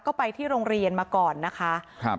ก็ไปที่โรงเรียนมาก่อนนะคะครับ